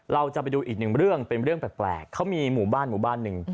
เราจะไปดูอีกหนึ่งเรื่องเป็นเรื่องแปลกเขามีหมู่บ้านหมู่บ้านหนึ่ง